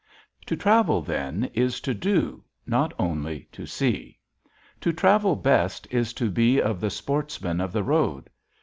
_ _To travel, then, is to do, not only to see. To travel best is to be of the sportsmen of the road.